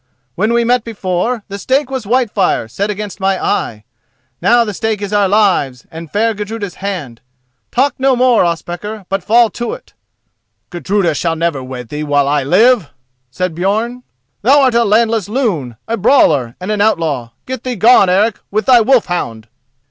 When we met before, the stake was Whitefire set against my eye. Now the stake is our lives and fair Gudruda's hand. Talk no more, Ospakar, but fall to it." "Gudruda shall never wed thee, while I live!" said Björn; "thou art a landless loon, a brawler, and an outlaw. Get thee gone, Eric, with thy wolf hound!"